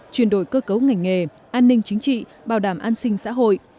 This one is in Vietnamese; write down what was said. chuyển đổi cơ cấu ngành nghề an ninh chính trị bảo đảm an sinh xã hội